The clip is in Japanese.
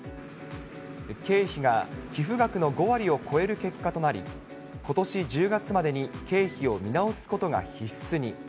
経費が寄付額の５割を超える結果となり、ことし１０月までに経費を見直すことが必須に。